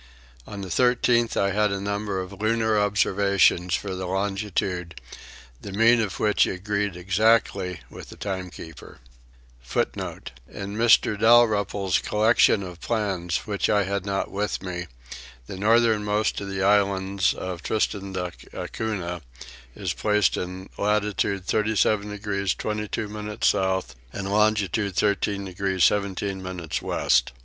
On the 13th I had a number of lunar observations for the longitude, the mean of which agreed exactly with the timekeeper.* (*Footnote. In Mr. Dalrymple's Collection of Plans which I had not with me the northernmost of the Islands of Tristan d'Acunha is placed in latitude 37 degrees 22 minutes south and longitude 13 degrees 17 minutes west.